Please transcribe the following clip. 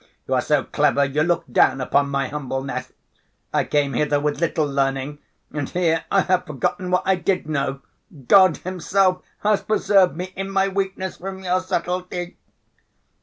You are so clever you look down upon my humbleness. I came hither with little learning and here I have forgotten what I did know, God Himself has preserved me in my weakness from your subtlety."